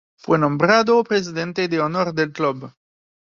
Fue nombrado Presidente de Honor del club.